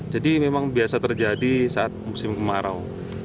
jadi memang biasa terjadi saat musim kemarau